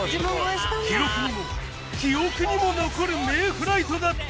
記録にも記憶にも残る名フライトだった！